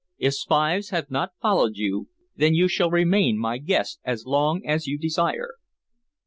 If spies have not followed you, then you shall remain my guest as long as you desire."